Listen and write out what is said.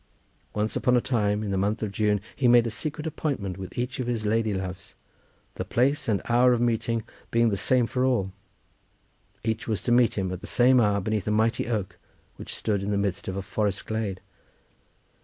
Once upon a time in the month of June he made a secret appointment with each of his lady loves, the place and hour of meeting being the same for all; each was to meet him at the same hour beneath a mighty oak which stood in the midst of a forest glade.